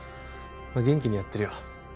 元気にやってるよ